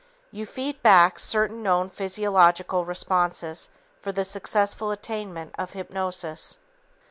You feed back certain known physiological responses for the successful attainment of hypnosis.